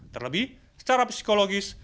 terlebih secara psikologis